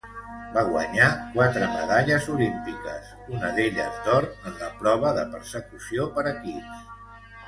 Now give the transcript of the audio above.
Va guanyar quatre medalles olímpiques, una d'elles d'or en la prova de Persecució per equips.